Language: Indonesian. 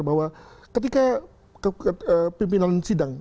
bahwa ketika pimpinan sidang